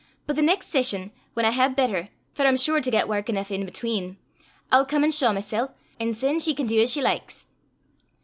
But the neist session, whan I hae better, for I'm sure to get wark eneuch in atween, I'll come an' shaw mysel', an' syne she can dee as she likes."